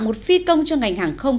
một phi công cho ngành hàng không